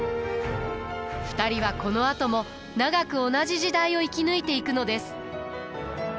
２人はこのあとも長く同じ時代を生き抜いていくのです。